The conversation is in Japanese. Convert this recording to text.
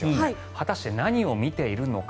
果たして何を見ているのか。